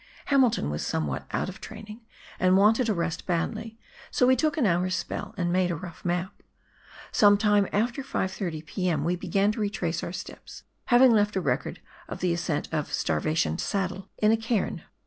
Hamilton was somewhat out of training and wanted a rest badly, so we took an hour's spell and made a rough map. Some time after 5 30 p.m. we began to retrace out steps, having left a record of the ascent of " Star vation Saddle " in a cairn.